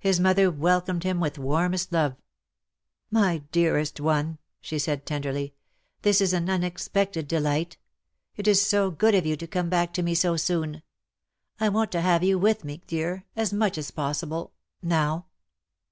His mother welcomed him with warmest love. . ^^My dearest one," she said, tenderly, "this is an 75 unexpected delight. It is so good of you to come back to me so soon. I want to have you with me, dear, as much as possible — now.''